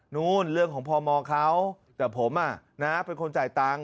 นู้นเรื่องของพมเขาแต่ผมเป็นคนจ่ายตังค์